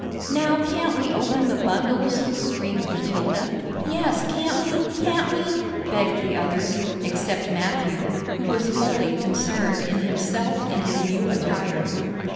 "Now can't we open the bundles?" screamed Matilda. "Yes, can't we? can't we?" begged the others, except Matthew, who was wholly concerned in himself and his new attire.